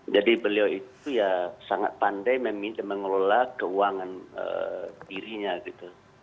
jadi beliau itu ya sangat pandai meminta mengelola keuangan dirinya gitu